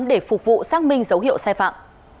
để phục vụ xác minh dấu hiệu sai phạm